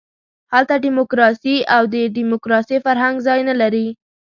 هلته ډیموکراسي او د ډیموکراسۍ فرهنګ ځای نه لري.